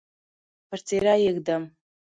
پر څیره یې ږدم